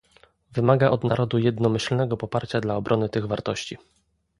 Wymaga od narodu jednomyślnego poparcia dla obrony tych wartości